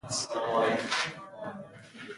دا لړۍ په لومړي ځل ښاغلي محمد نوید پیل کړې وه.